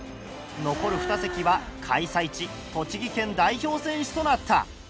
残る２席は開催地栃木県代表選手となった。